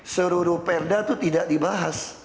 seru ru perda itu tidak dibahas